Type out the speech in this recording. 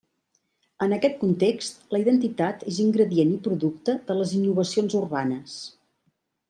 En aquest context, la identitat és ingredient i producte de les innovacions urbanes.